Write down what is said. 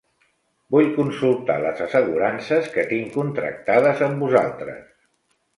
Vull consultar les assegurances que tinc contractades amb vosaltres.